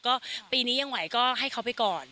ก็ปีนี้ยังไหวก็ให้เขาไปก่อน